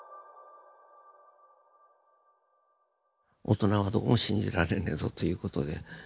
大人はどうも信じられねえぞという事で。